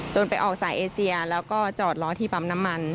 ไปออกสายเอเซียแล้วก็จอดล้อที่ปั๊มน้ำมัน